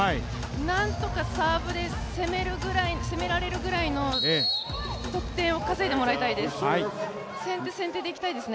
なんとかサーブで攻められるぐらいの得点を稼いでもらいたいです。